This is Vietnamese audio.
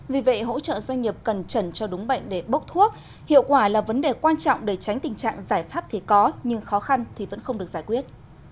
vì vậy hỗ trợ doanh nghiệp cần trần cho đúng bệnh để bốc thuốc hiệu quả là vấn đề quan trọng để tránh tình trạng giải pháp thì có nhưng khó khăn thì vẫn không được giải quyết